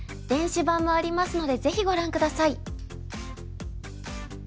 電子版もありますのでぜひご覧下さい。